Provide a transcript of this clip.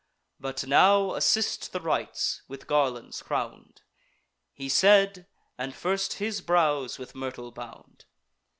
But now assist the rites, with garlands crown'd." He said, and first his brows with myrtle bound.